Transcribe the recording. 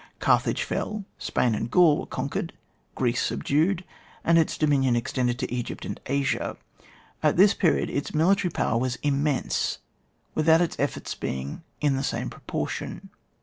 Carthage fell| Spain and Qaul were con 00 ON WAR, [book Yin. quered, (Greece subdued, and its dominion extended to Egypt and Asia. At this period its military power was immense, without its efforts being in the same pro portion.